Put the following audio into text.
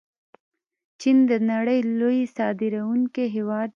چین د نړۍ لوی صادروونکی هیواد دی.